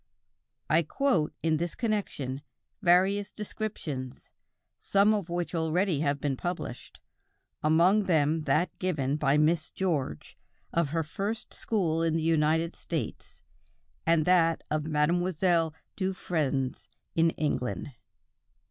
I quote, in this connection, various descriptions, some of which already have been published, among them that given by Miss George, of her first school in the United States, and that of Mlle. Dufresne in England.